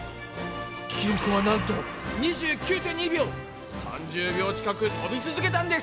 記録はなんと３０秒近く飛び続けたんです。